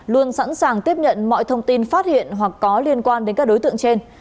luôn sẵn sàng tiếp nhận mọi thông tin phát hiện hoặc có liên quan đến các đối tượng trên